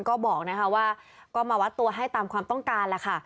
ก็บอกนะคะที่วัดตัวให้ตามความต้องการล่ะค่ะ